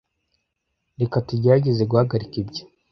Reka tugerageze guhagarika ibyo.